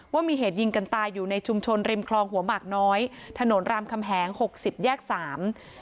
ว่ามีเหตุยิงกันตายอยู่ในชุมชนริมคลองหัวหมากน้อยถนนรามคำแหงหกสิบแยกสาม